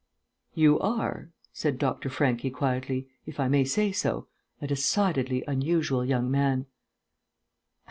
"You are," said Dr. Franchi quietly, "if I may say so, a decidedly unusual young man."